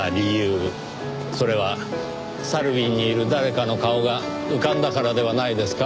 それはサルウィンにいる誰かの顔が浮かんだからではないですか？